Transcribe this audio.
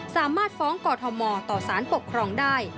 สามารถฟ้องกอทมต่อสารปกครองได้